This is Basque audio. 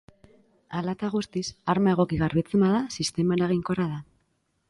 Hala eta guztiz, arma egoki garbitzen bada, sistema eraginkorra da.